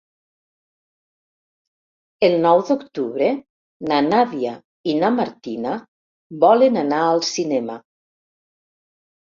El nou d'octubre na Nàdia i na Martina volen anar al cinema.